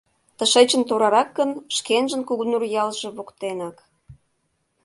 Тышечын торарак гын, шкенжын Кугунур ялже воктенак.